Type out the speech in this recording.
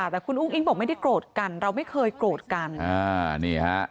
แต่คุณอุ้งอิ๊งบอกไม่ได้โกรธกันเราไม่เคยโกรธกันอ่านี่ฮะ